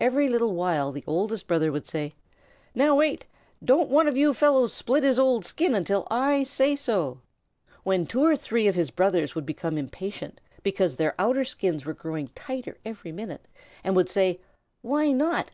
Every little while the Oldest Brother would say, "Now wait! Don't one of you fellows split his old skin until I say so." Then two or three of his brothers would become impatient, because their outer skins were growing tighter every minute, and would say, "Why not?"